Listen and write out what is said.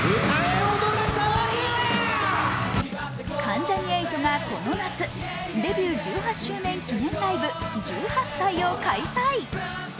関ジャニ∞がこの夏、デビュー１８年記念ライブ「１８祭」を開催。